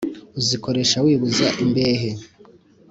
uzikoresha wibuza imbehe!